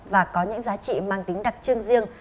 và có những giá trị mang tính đặc trưng riêng